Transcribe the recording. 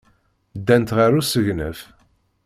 Ddant ɣer usegnaf.